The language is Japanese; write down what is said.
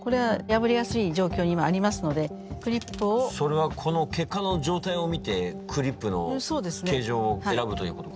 それはこの血管の状態を見てクリップの形状を選ぶということか？